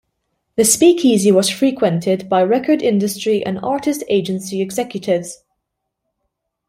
The Speakeasy was frequented by record industry and artist agency executives.